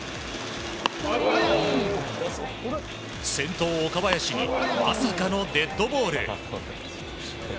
先頭、岡林にまさかのデッドボール。